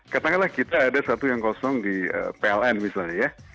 katakanlah kita ada satu yang kosong di pln misalnya ya